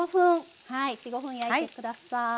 ４５分焼いてください。